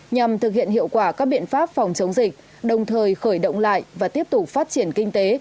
nhằm thực hiện hiệu quả các biện pháp phòng chống dịch đồng thời khởi động lại và tiếp tục phát triển kinh tế